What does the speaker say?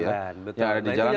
yang ada di jalan